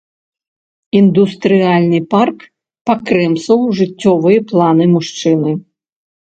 Індустрыяльны парк пакрэмсаў жыццёвыя планы мужчыны.